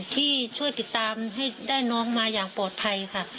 ที่ช่วยติดตามให้ได้น้องมาอย่างปลอดภัยค่ะ